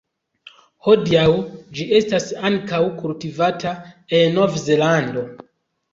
Hodiaŭ ĝi estas ankaŭ kultivata en Nov-Zelando.